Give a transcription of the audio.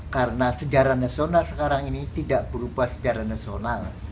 karena sejarah nasional sekarang ini tidak berupa sejarah nasional